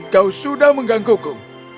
kau sudah menggangguku